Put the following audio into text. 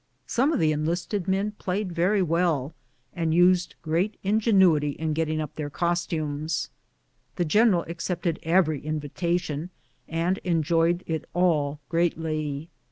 Some of the enlisted men played very well, and used great in genuity in getting up their costumes. The general ac cepted every invitation, and enjoyed it all greatly.